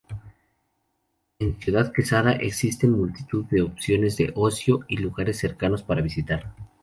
En Ciudad Quesada existen multitud de opciones de ocio y lugares cercanos para visitar.